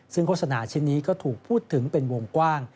ซึ่งโฆษณาชิ้นนี้ก็ถูกพูดถึงเป็นวงกว้าง